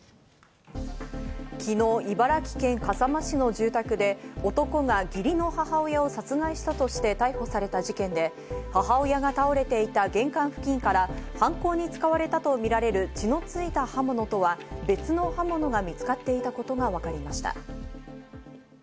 昨日、茨城県笠間市の住宅で男が義理の母親を殺害したとして逮捕された事件で、母親が倒れていた玄関付近から犯行に使われたとみられる血のついた刃物とは別の刃物が見つかっていたことがわかりました。